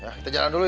kita jalan dulu ya